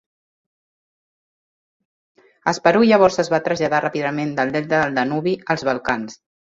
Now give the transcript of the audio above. Asparuh llavors es va traslladar ràpidament del delta del Danubi als Balcans.